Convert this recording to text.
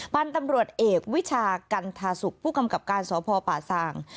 บ้านตำรวจเอกวิชากัณฑาศุกร์ผู้กำกับการสพปส่าง